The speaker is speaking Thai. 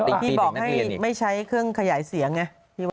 ที่บอกให้ไม่ใช้เครื่องขยายเสียงไง